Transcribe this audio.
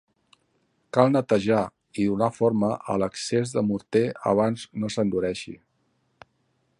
Cal netejar i donar forma a l'excés de morter abans no s'endureixi.